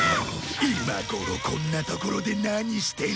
今頃こんな所で何してる？